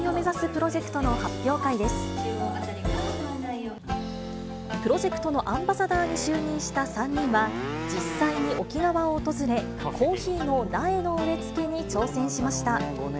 プロジェクトのアンバサダーに就任した３人は、実際に沖縄を訪れ、コーヒーの苗の植え付けに挑戦しました。